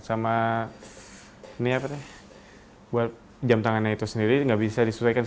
sama jam tangannya itu sendiri nggak bisa disesuaikan